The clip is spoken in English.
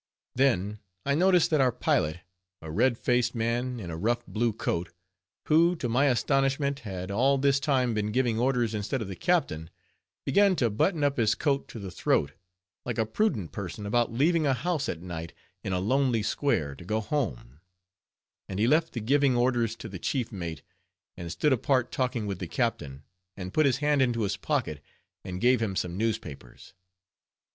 Then I noticed that our pilot, a red faced man in a rough blue coat, who to my astonishment had all this time been giving orders instead of the captain, began to button up his coat to the throat, like a prudent person about leaving a house at night in a lonely square, to go home; and he left the giving orders to the chief mate, and stood apart talking with the captain, and put his hand into his pocket, and gave him some newspapers.